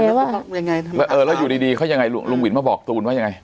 แต่ว่าเออแล้วอยู่ดีดีเขายังไงลุงวินมาบอกตูนว่ายังไง